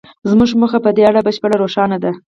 زموږ موخه په دې اړه بشپړه روښانه ده